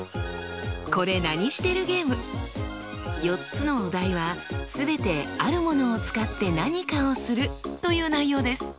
４つのお題は全てあるものを使って何かをするという内容です。